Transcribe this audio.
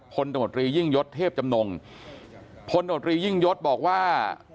ตมตรียิ่งยศเทพจำนงพลโนตรียิ่งยศบอกว่า